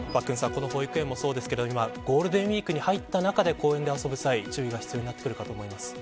この保育園もそうですがゴールデンウイークに入った中で公園で遊ぶ際、注意が必要になるかと思います。